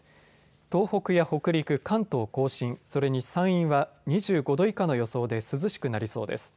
東北や北陸、関東甲信、それに山陰は２５度以下の予想で涼しくなりそうです。